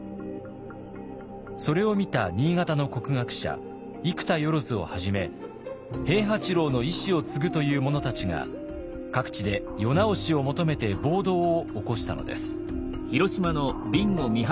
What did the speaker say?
それを見た新潟の国学者生田万をはじめ平八郎の意志を継ぐという者たちが各地で世直しを求めて暴動を起こしたのです。